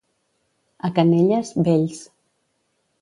A Canelles, vells.